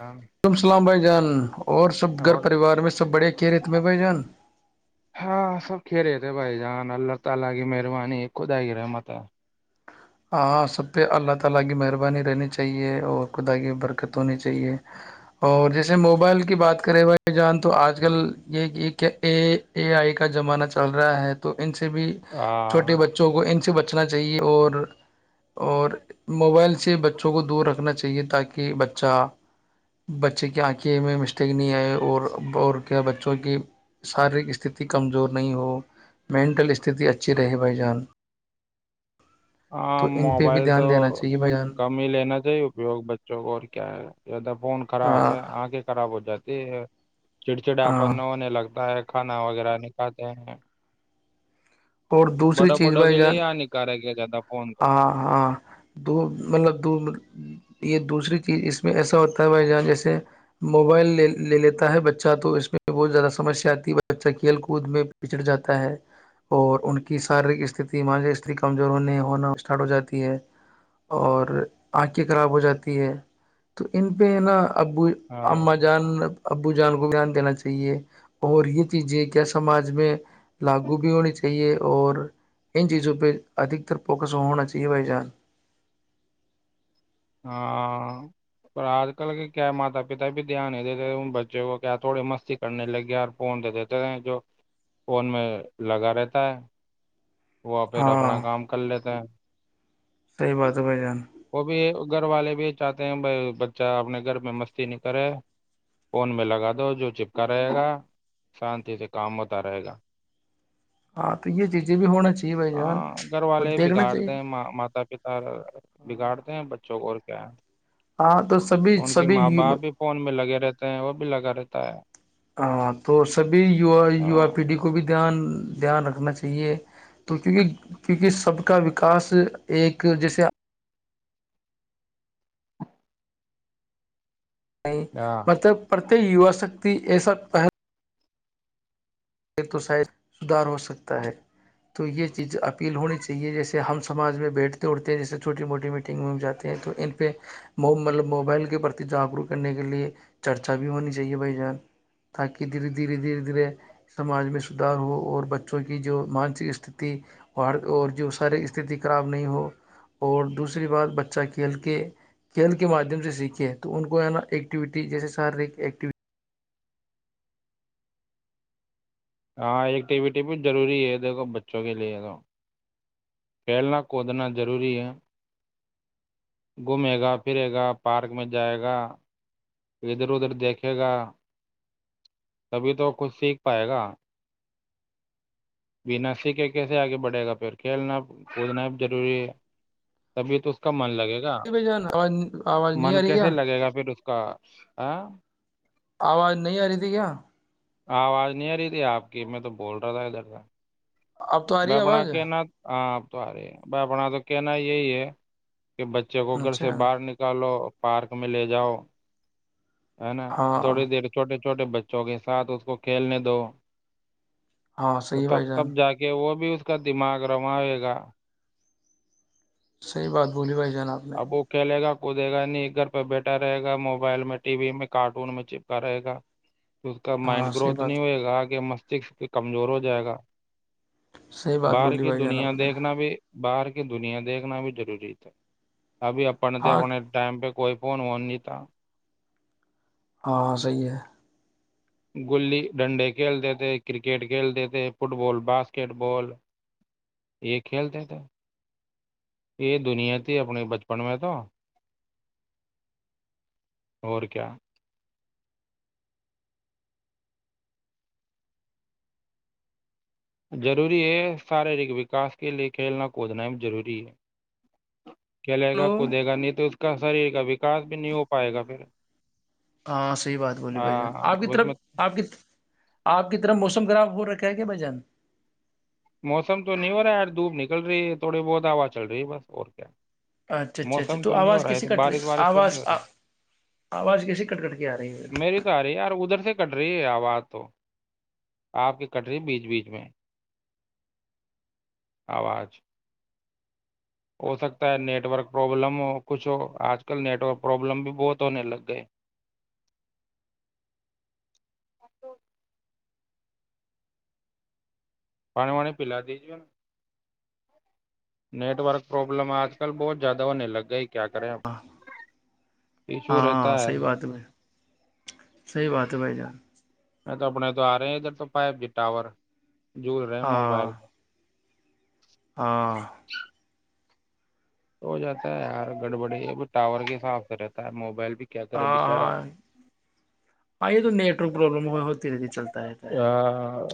جان، ولیکم سلام بھائی جان اور سب گھر اور پریوار میں سب بڑے کی رت میں بھائی جان ارے بھائی جان اللہ تعالا کیی مہربانی خود آ گی رہ ہے مت ہاں اللہ کی مہربانی رہنیت چاہیے اورخدا کی برکات ہونے چائے اود جیسے موبائل کی بات کرے بائے جن تو اج کل یہ کی ای کا زمانہ چل رہا ہے کی ای بھی چھوٹے ہاں بچوں کو انسی بچے رچنا چاہیے اور اور موبائل سے بچوں کو دور رکھنا چاہیے تاکہ بچہ بچے کی آنکھیں میں مسٹیک نہیں آئے اور اور کیا بچوں کی شاریرک استھھی کمزور نہیں ہو مینٹل استھی اچھی رہے بھائی جان ہاں تو ان پہ بھی موبائل تو دھیان دینا چاہیے بھائی جان کم ہی لینا چاہیے اپیوگ بچوں کو اور کیا ہے یاد فون خراب ہاں ہے آ کے خراب ہو جاتا کہ [inaudible] چڑچڑ ہاں اپن ہونے لگتا ہے کھانا وغیرہ نکھاتے ہیں اور دوسری بڑوں چیز بڑوں بھائی کے جان لیے ہانیکارک ہے زیادہ فون تو ہاں ہاں دو مطلب دو یہ دوسری چیز اس میں ایسا ہوتا ہے بھائی یہاں جیسے موبائل لے لے لیتا ہے بچہ تو اس میں بہت زیادہ سمسیا آتی ہے بچہ کھیل کود میں پچھڑ جاتا ہے اور ان کی شاریرک استھھی ماںج استری کمزور ہونے ہونا اسٹارٹ ہو جاتی ہے اور آنکھیں خراب ہو جاتی ہے تو ان پہ نا ابو ہاں اما جان ابو جان کو دھیان دینا چاہیے اور یہ چیزیں کیا سماج میں لاگو بھی ہونی چاہیے چاہیے اور ان چیزوں پہ ادھکتر فوکس ہونا چاہیے بھائی جان ہاں پر آج کل کے کیا ہے ماتا پتا بھی دھیان نہیں دیتے تھے ان بچوں کو کیا تھوڑی مستی کرنے لگے اور فون دے دیتے تھے جو فون میں لگا رہتا ہے وہ پھر اپنا کام کر لیتے ہیں سی بات ہے ب جان وہ بھی گھر والے بھی چاہتے ہیں بھ بچہ اپنے گھر میں مستی نہیں کرے فون میں لگا دو جو چپکا رہے گا شانتی سے کام ہوتا رہے گا ہاں تو یہ چیز ہ گھر والے دیکھنا چاہیے بگاڑتے ہیں ماتا پتا بگاڑتے ہیں بچوں کو اور کیا ہاں تو [unintelligible] سبھی ان کی ماں سبھی باپ بھی فون میں لگے رہتے ہیں وہ بھی لگا رہتے ہوتا ہے [unintelligible] ہاں تو سبھیا ہاں ووا پیڑھی کو بھی دھیان دھیان رکھنا چاہیے تو کیونکہ کیونکہ سب کا وکاس ایک جیسے ہاں مطلب پرتک یو س ت ای سا پہل [unintelligible] ایک تو شاید سدار ہو سکتا ہے تو یہ چیز اپیل ہونی چاہیے جیسے ہم سماج میں بیٹھتے اٹھتے ہیں جیسے چھوٹی موٹی میٹنگ میں ہم جاتے ہیں تو ان پہ مطلب موبائل کے پرتی جاگروک کرنے کے لیے چرچا بھی ہونی چاہیے بھائی جان تاکہ دھیرے دھیرے دھیرے دھیرے سماج میں سدھار ہو اور بچوں کی جو مانسک استھھی اور اور جو شارییرک استھھی خراب نہیں ہو اور دوسری بات بچہ کھیل کے کھیل کے مادھیم سے سیکھے تو ان کو ہے نا ایکٹیویٹی جیسے شارییرک ایکٹیو ہاں ایکٹیویٹی بھی ضروری ہے دیکھو بچوں کے لیے تو کھیلنا کودنا ضروری ہے گھومے گا پھرے گا پارک میں جائے گا ادھر ادھر دیکھے گا تبھی تو کچھ سیکھ پائے گا بنا سیکھے کیسے آگے بڑھے گا پھر کھیلنا کودنا ضروری ہے تبھی تو اس کا من لگےا بھ جان آاز آواز نہیں آ رہی کیا کیسے لگے گا پھر اس کا آ [inaudible] آواز نہیں آ رہی تھی کیا آواز نہیں آ رہی تھی آپ کی میں تو بول رہا تھا ادھر کا اب تو آ رہی ہے میں بنا آواز کے اننا آ تو اارے بپنا آ تو کہ ن یہ ہے کہ بچے کو گھر سے اچھا باہر نکالو پارک میں لے جاؤ ہے نا تھوڑی ہاں دیر چھوٹے چھوٹے بچوں کے ساتھ اس کو کھیلنے دو ہاں تو صحیح تب بھائی تب جان جا کے وہ بھی اس کا دماغ روے گا صحیح بات بولی بھائی [unintelligible] اب وہ کہ لے گا [unintelligible] کو دے گا نہیں گھر پہ بیٹھا رہے گا موبائل میں ٹی وی میں کارٹون میں چپکا رہے گا اس کا ہاں مائنڈ صحیح گروتھ نہیں بات ہوئے گا آگے مس پ کمزور ہو جائے گا صحیح بات باہر بولی کی بھائی جان آپ دنیا نے دیکھنا بھی باہر کی دنیا دیکھنا بھی ضروری تھا ابھی اپنے تو ہاں اپنے ٹم پہ کوئی فن وورڈتا ہاں صحیح ہے گلی ڈنڈے کھیلتے تھے کرکٹ کھیلتے تھے فٹ بال باسکٹ بال یہ کھیلتے تھے یہ دنیا تھی اپنے بچپن میں تو اور کیا ضروری ہے شارییرک وکاس کے لے کھیلنا کودنا ضروری ہے کیالے گا ہلو کوئی دے گا نہیں تو اس کا شریر کا وکاس بھی نہیں ہو پائے گا پھر ہاں صحیح بات بولی بھائی جان آپ کی ہاں اس طرف میں آپ کی آپ کی طرف موسم خراب وہ رکھا ہے کیا ب جان موسم تو نہیں ہو رہا ہے یار دھوپ نکل رہی ہے تھوڑی بہت ہواز چل رہی ہے بس اور کیا اچھا اچھا اچھا موسم تو نہیں ہو آواز رہا کیسے ہے کٹ رہی بارش وارش تو آواز نہیں ہو رہی آواز کیسے کٹ کٹ کے آ رہی ہےھر میری تو آ رہی ہے یار ادھر سے کٹ رہی آواز تو آپ کی کٹ رہی بیچ بیچ میں آواز ہو سکتا ہے نیٹورک پرابلم ہو کچھ ہو آج کل نیٹورک پرابلم بھی بہت ہونے لگ گئے پانی وانی پیلا دی جے نیٹ ورک پروابلم آج کل بہت زیادہ ہونے لگ گئی کیا کریں اب ہاں ایشو ہاں رہتا ہے صحیح بات بھائی صحیح بات ہے بھائی جان میں تو اپنے تو آ رہے ہیں ادھر تو فائیو جی ٹاور جول رہے ہیں ہاں موبائل میں ہاں ہو جاتا ہے یار گڑبڑی یہ بھی ٹاور کے حساب سے رہتا ہے موبائل بھی کیا کرے ہاں بچارا ہاں ہاں یہ تو نیٹورک پرابلم ہوتی رہتی چلتا رہتا ہے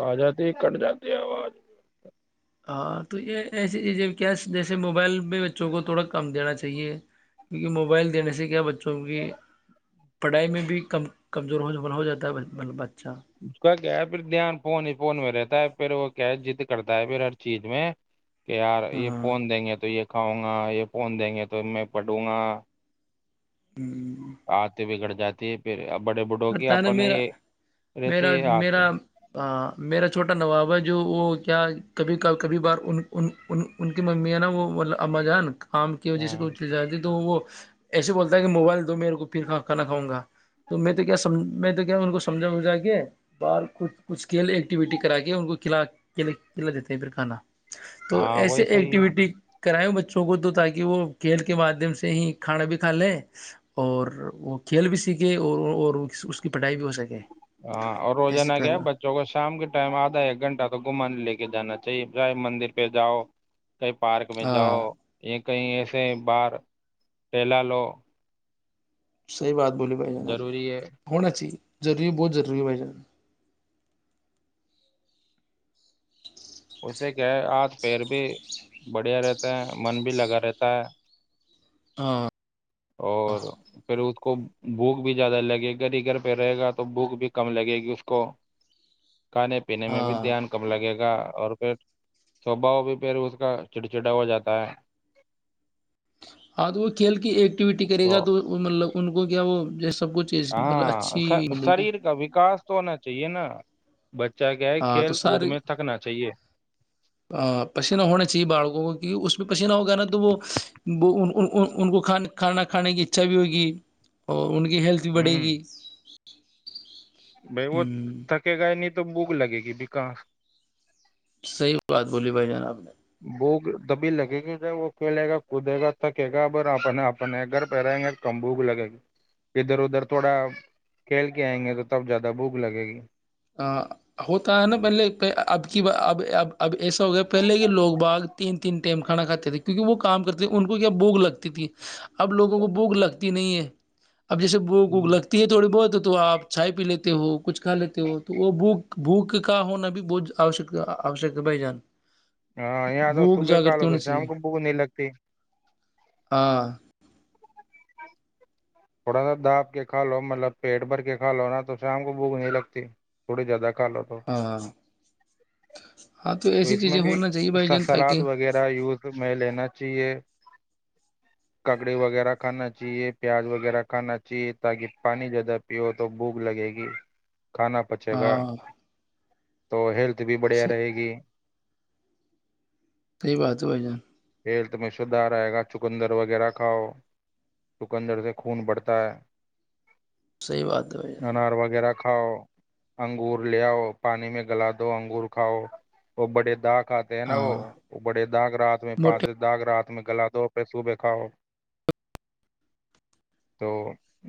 آ جاتی کٹ جاتی ہے آواز ہاں تو یہ ایسے چی کیا جیسے موبائل میں بچوں کو تھوڑا کم دینا چاہیے کیونکہ موبائل دینے سے کیا بچوں سب کی پڑھائی میں بھی کم کمزور ہو ہو جاتا ہے ب اس کا کیا ہے پھر دھیان فون ہی فون میں رہتا ہے پھر وہ کیا ہے جضد کرتا ہے پھر ہر چیز میں کہ یار یہ ہاں فون دیں گے تو یہ کھاؤں گا یہ فون دیں گے تو میں پڑوں گا آتے بگڑ جاتی ہے پھر اب بڑے بھوں کی کرتا ہے نا اپنے میرا یہ رہتے میرا آتے میرا ہیں میرا چھوٹا نواب ہے جو وہ کیا کبھی کب کبھی بار ان ان کی ممی ہے نا وہ اما جان آم کی وجہ سے ہاں کچھ زیادہ وہ ایسے بولتا ہے کہ موبائل دو میرے کو پھر کانا کھاؤ گا تو میں تو تو کیا میں تو کیا ان کو سمجھا وجھا کے ب کھ کچھ کھیل ایکٹیوٹی کرا کے ان کو کلا کلا دیتے ہیں پھر کھانا تو ہاں ایسے وہی صحیح ہے ایکٹیویٹی کرائے بچوں کو تو تاکہ وہ کھیل کے مادھیم سے ہی کھانا بھی کھا لے اور وہ کھیل بھی سیکھے اور اس [unintelligible] سکے ہاں اور ایسے روزانہ کیا ہے پہلا بچوں کو شام کے ٹائم آدھا ایک گھنٹہ تو گھمان لے کے جانا چاہیے چاہے مندر پہ جاؤ کئی پارک میں جاؤ ہاں یہ کہیں ایسے باہر ٹہلا لو صحیح بات بولی بھائی جان اپ نے ضروری ہے ہونا چاہیے ضروری بہت ضروری ہے بھائی جان اسے کیا ہے ہاتھ پیر بھی بڑھیا رہتا ہے من بھی لگا رہتا ہے ہاں اور پھر اس کو بھوک بھی زیادہ لگے گھر ہی گھر پہ رہے گا تو بھوک بھی کم لگے گی اس کو کھانے پینے میں بھی ہاں دھیان کم لگے گا اور پھر سوبا ہو بھی پھر اس کا چڑچڑا ہو جاتا ہے آج وہ کھیل کے کی ایکٹیویٹی کرے گا تو مطلب ان کو کیا وہ جیسے سب کچھ چیز مطلب ہاں اچھی ملے گی شریر کا وکاس تو ہونا چاہیے نا بچہ کیا ہے ہاں تو کھیل کود سارے میں تھکنا چاہیے پسیینہ ہونا چاہیے بالکوں کو کیہ اس میں پسیینہ ہو گیا نا تو وہ وہ ان کو کھانا کھانے کی اچھا بھی ہوگی اور ان کی ہیلتھ بڑھے گی [inaudible] بائی ہ وہ تھک گائے نہیں تو بھوک لگے گی بکار صحیح بات بولی بھائی جان آپ نے بھوک تبھی لگے گی ج وہ کھیلے گا کودے گا تھکے گا ا اپنے اپنے گھر پہ رہیں گے کم بھوک لگے گی ادھر ادھر تھوڑا کھیل کے آئیں گے تو تب زیادہ بھوک لگے گی ا ہوتا ہے نا پہلے اب کی اب اب ایسا ہو گیا پہلے کے لوگ باگ تین تین ٹائم کھانا کھاتے تھے کیونکہ وہ کام کرتے تھے ان کو کیا بوک لگتی تھی اب لوگوں کو بوک لگتی نہیں ہے اب جیسے بھوک لگتی ہے تھوڑی بہت تو آپ چھائے پی لیتے ہو کچھ کھا لیتے ہو بھوک بھوک کا ہونا بھی بہت اوشک ہے بھائی جان ہاں یہ آ تھا بھوک صبح کل ہو جاگرتی تو ہونی شم چاہیے کو بک نہیں لگتی ہاں تھوڑا سا دااب کے کا لو مطلب پیٹ بھر کے کھا لو نا تو شام کو بوک نہیں لگتی تھوڑی زیادہ ک لو تو ہاں ہاں تو ایسی اس میں چیزیں ہونا چاہیے بھائی بھیا جان سلاد تاکہ وغیرہ یوز میں لینا چاہیے ککڑی وغیرہ کھانا چاہیے پیاز وغہ وغیرہ کھانا چاہیے تاکہ پانی زیادہ پیو تو بھوک لگے گی کھانا پچے گا ہاں تو ہیلت بھی بڑھیا رہے صحیح گی سئی بات ہے بھ جان ہیلتھ میں سدھار آئے گا چکندر وغیرہ کھاؤ چکندر سے خون بڑھتا ہے صحیح بات ہے یار انار وغیرہ کھاؤ انگور لے آؤ پانی میں گلا دو انگور کھاؤ اور بڑے داغ کاتے ہیں نا ہاں وہ بڑے داغ رات میں پانچ موٹے داغ رات ت گلا دو پیسوں بھی کھاؤ تو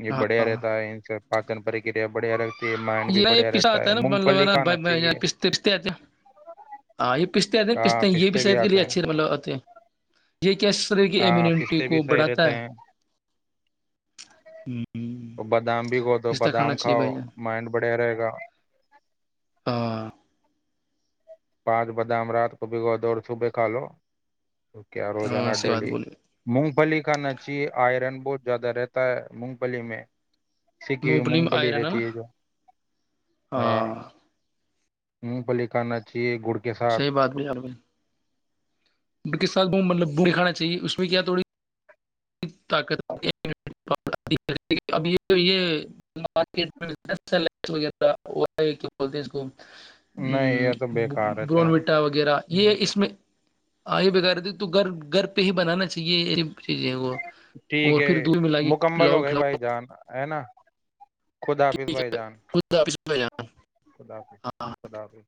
یہ بڑھیا ہاں رہتا ہے ان سے پاچن پرکریا بڑھیا رہتا ہے ہے مائنڈ بھی یہ یہ بڑھیا پستا آتا ہے نا مونگ مطل ہے پھلی نا کھانا چاہیے پتے آتے ہیں ہاں یہ پستے آتے ہیں ہاں پستے ہیں یہ بھی شحت کے لیے آتے ہیں اچھے مطلب آتے ہیں یہ کیا شریر کی ہاں امیونٹی پستے بھی کو صحیح بڑھاتا رہتے ہے ہیں تو بادام بھی کو دو پستہ بادام کھانا چاہیے کھاؤ بھائی جان بڑھیا رہے گا ہاں پانچ بادام رات کو بگو دوڑ صبح کھا لو تو کیا ہاں روزانا صحیح بات ڈیلی بولی مونگ پلی ھا نچیے آئرن بہت زیادہ رہتا ہے مونگ پلی میں سکی ہوئی مبلیم مونگ پھلی آئرن ہے نا رہتی جو ہاں م پلی خان چ گڑ کے ساتھ صحی بات بھی یار بھائی کس ساتھ مطلب ب دکھانا چاہیے اس میں کیا تھوڑی طاقت اب یہ یہ مکی میںہ ہے کیا بولتے اس کو نہیں یہ تو بیکار رہتے برون ہیں وٹا وغیرہ یہ اس میں آئی بغیر تھ تو گھر گھر پہ ہی بنانا چاہیے چز ہے وہ ٹھیک اور ہے پھر دور میںلا کے مکمل پلاؤ ہو گئے کھلاؤ بھائی جان ہے ن خود حافظ بھائی جان ج جا [unintelligible] خدافظ خدافظ